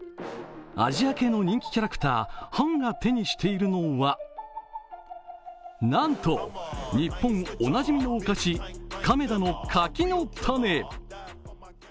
アジア系の人気キャラクターハンが手にしているのはなんと、日本おなじみのお菓子、亀田の柿の種。